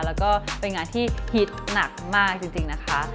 แล้วก็เป็นงานที่ฮิตหนักมากจริงนะคะ